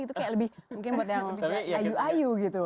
itu kayak lebih mungkin buat yang ayu ayu gitu